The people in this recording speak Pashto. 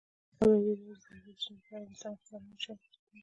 ازادي راډیو د ټرافیکي ستونزې پر اړه مستند خپرونه چمتو کړې.